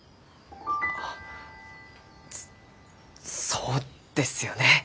そそうですよね。